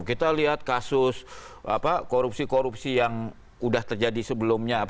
kita lihat kasus korupsi korupsi yang sudah terjadi sebelumnya